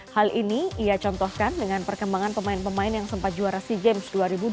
hal ini ia contohkan dengan perkembangan pemain pemain yang sempat juara sea games dua ribu dua puluh